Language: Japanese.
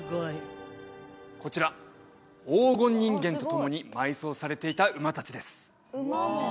こちら黄金人間と共に埋葬されていた馬達です